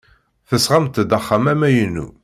Tesɣamt-d axxam amaynu.